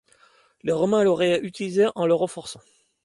Les Romains l’auraient utilisé en le renforçant.